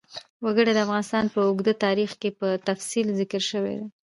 وګړي د افغانستان په اوږده تاریخ کې په تفصیل ذکر شوی دی.